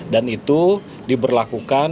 dan itu diberlakukan